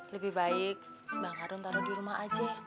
lebih baik bang harun taruh di rumah aja